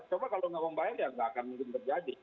coba kalau tidak membayar ya tidak akan mungkin terjadi